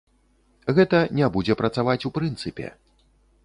Гэта не будзе працаваць ў прынцыпе.